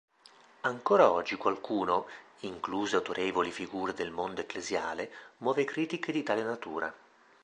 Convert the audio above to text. Ancora oggi qualcuno, incluse autorevoli figure del mondo ecclesiale, muove critiche di tale natura.